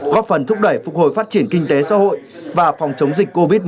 góp phần thúc đẩy phục hồi phát triển kinh tế xã hội và phòng chống dịch covid một mươi chín